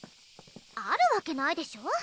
あるわけないでしょ